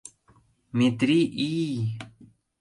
— Метри-ий!